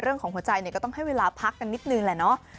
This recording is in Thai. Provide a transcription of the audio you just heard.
เรื่องของหัวใจเนี่ยก็ต้องให้เวลาพักกันนิดนึงแหละเนาะ